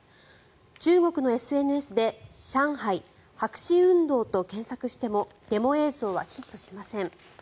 中国のＳＮＳで「上海」「白紙運動」と検索してもでも映像はヒットしません。